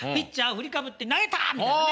振りかぶって投げた！みたいなね。